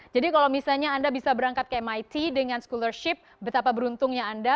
jadi kalau misalnya anda bisa berangkat ke mit dengan scholarship betapa beruntungnya anda